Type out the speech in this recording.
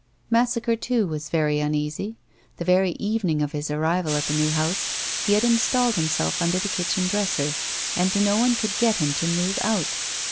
Massacre, too, was very uneasy. The very evening of his arrival at the new house he had installed himself under the kitchen dresser and no one could get him to move out.